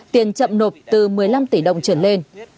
tiền chậm nộp từ một mươi năm tỷ đồng trở lên